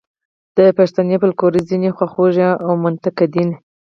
د پښتني فوکلور ځینې خواخوږي او منتقدین.